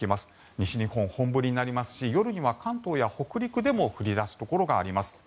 西日本、本降りになりますと夜には関東や北陸でも降り出すところがあります。